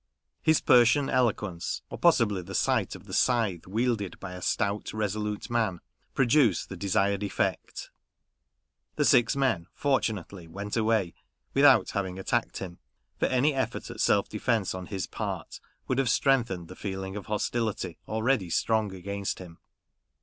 His Persian eloquence, or possibly the sight of the scythe wielded by a stout, resolute man, produced the desired effect : the six men, fortunately, went away, without having attacked him, for any effort at self defence on his part would have strengthened the feeling of hostility already strong against him.